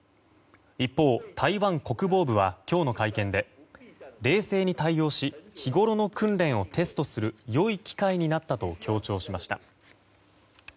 一方、台湾国防部は今日の会見で冷静に対応し日ごろの訓練をテストする良い機会になったと強調しました。